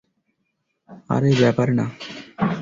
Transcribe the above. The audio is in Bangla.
আরে, ব্যাপার না।